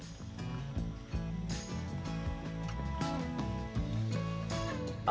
asep mencari produk yang lebih berharga